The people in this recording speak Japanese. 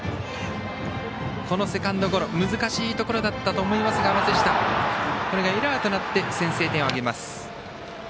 このセカンドゴロ難しいところだったと思いますがこれがエラーとなって先制点を挙げます。